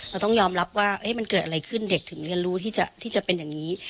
เราต้องยอมรับว่ามันเกิดอะไรขึ้นเด็กถึงเรียนรู้ที่จะเป็นอย่างนี้